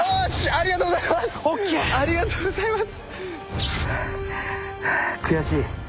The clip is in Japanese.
ありがとうございます。